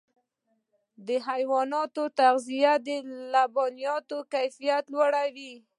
د حیواناتو تغذیه د لبنیاتو کیفیت لوړوي.